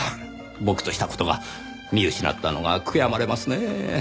僕とした事が見失ったのが悔やまれますねぇ。